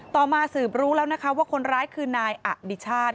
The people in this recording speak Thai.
มาสืบรู้แล้วนะคะว่าคนร้ายคือนายอดิชาติ